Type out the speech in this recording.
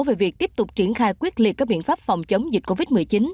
về việc tiếp tục triển khai quyết liệt các biện pháp phòng chống dịch covid một mươi chín